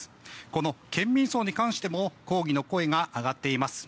この県民葬に関しても抗議の声が上がっています。